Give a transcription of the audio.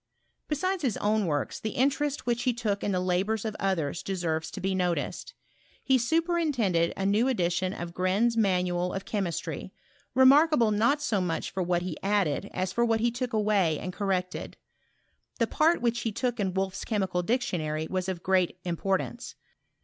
Besides his own works, the interest which he took in the labours of others deserves to be noticed. He superintended a new edition of Gren's Manual of Chemistry, remarkable not so much for what he added as for what he took away and corrected. The part which he took in Wolff's Chemical Dictionary was of great importance.